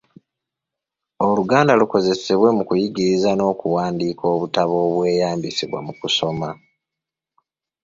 Oluganda lukozesebwe mu kuyigiriza n’okuwandiika obutabo obweyambisibwa mu kusoma.